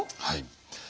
はい。